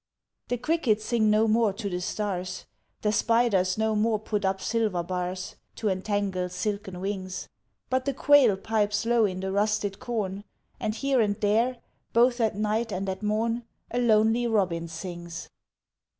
The crickets sing no more to the stars The spiders no more put up silver bars To entangle silken wings; But the quail pipes low in the rusted corn, And here and there both at night and at morn A lonely robin still sings.